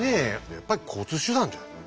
やっぱり交通手段じゃないの？